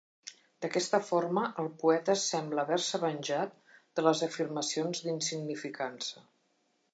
D"aquesta forma, el poeta sembla haver-se venjat de les afirmacions d"insignificança.